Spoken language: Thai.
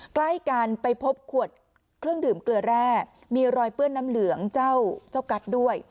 ใกล้กันไปพบขวดเครื่องดื่มเกลือแร่มีรอยเปื้อนน้ำเหลืองเจ้ากัสด้วย